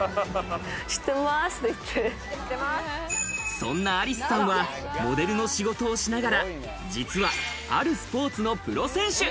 そんなアリスさんはモデルの仕事をしながら、実はあるスポーツのプロ選手。